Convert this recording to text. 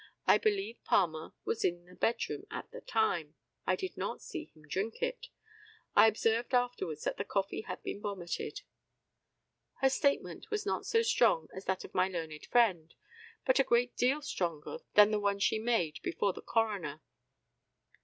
I believe Palmer was in the bedroom at the time. I did not see him drink it. I observed afterwards that the coffee had been vomited." Her statement was not so strong as that of my learned friend, but a great deal stronger than the one she made before the coroner.